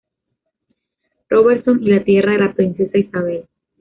Robertson y la Tierra de la Princesa Isabel.